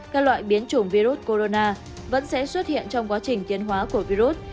các loại biến chủng virus corona vẫn sẽ xuất hiện trong quá trình tiến hóa của virus